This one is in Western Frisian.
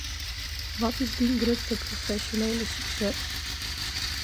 Wat is dyn grutste profesjonele sukses?